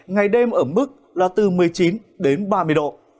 ngày đêm ở mức là từ một mươi chín đến ba mươi độ